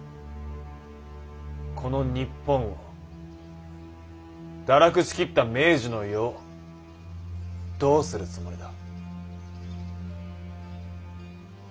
この日本を堕落しきった明治の世をどうするつもりだ？